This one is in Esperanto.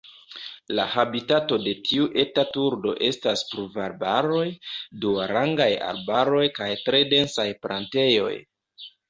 La habitato de tiu eta turdo estas pluvarbaroj, duarangaj arbaroj kaj tre densaj plantejoj.